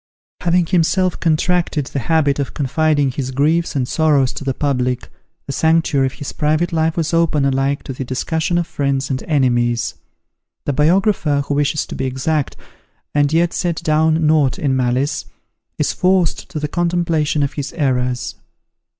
Having himself contracted the habit of confiding his griefs and sorrows to the public, the sanctuary of his private life was open alike to the discussion of friends and enemies. The biographer, who wishes to be exact, and yet set down nought in malice, is forced to the contemplation of his errors.